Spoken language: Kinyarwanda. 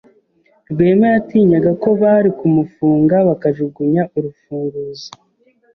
Rwema yatinyaga ko bari kumufunga bakajugunya urufunguzo.